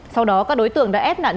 sau đó các đối tượng đã ép nạn nhân